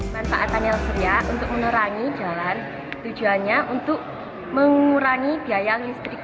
manfaat panel surya untuk menerangi jalan tujuannya untuk mengurangi biaya listrik